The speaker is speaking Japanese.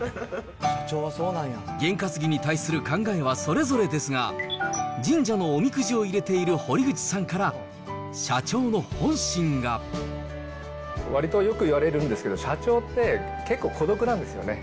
ゲン担ぎに対する考えはそれぞれですが、神社のおみくじを入れている堀口さんから、わりとよく言われるんですけど、社長って結構孤独なんですよね。